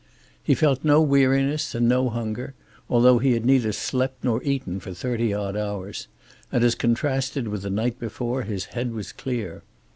He felt no weariness and no hunger, although he had neither slept nor eaten for thirty odd hours, and as contrasted with the night before his head was clear.